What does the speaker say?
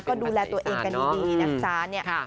ก็ดูแลตัวเองกันดีนะจ๊ะเนี่ย